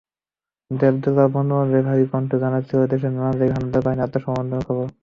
দেবদুলাল বন্দ্যোপাধ্যায়ের ভারী কণ্ঠ জানাচ্ছিল দেশের নানা জায়গায় হানাদার বাহিনীর আত্মসমর্পণের খবর।